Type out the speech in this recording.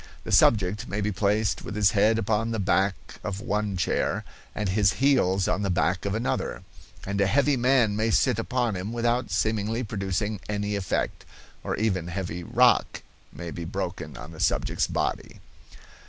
The subject may be placed with his head upon the back of one chair and his heels on the back of another, and a heavy man may sit upon him without seemingly producing any effect, or even heavy rock may be broken on the subject's body.